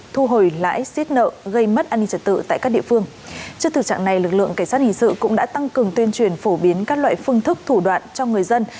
thu hồi lãi xiết nợ gây mất an ninh trật tự tại các địa phương trước thực trạng này lực lượng cảnh sát hình sự cũng đã tăng cường tuyên truyền phổ biến các loại phương thức thủ đoạn cho người dân